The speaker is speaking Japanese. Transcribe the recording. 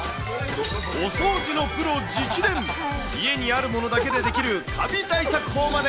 お掃除のプロ直伝、家にあるものだけでできるカビ対策法まで。